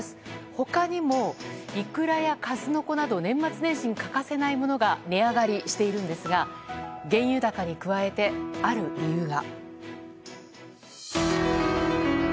他にもイクラや数の子など年末年始に欠かせないものが値上がりしているんですが原油高に加えて、ある理由が。